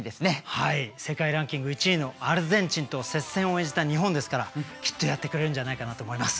はい世界ランキング１位のアルゼンチンと接戦を演じた日本ですからきっとやってくれるんじゃないかなと思います。